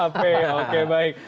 php oke baik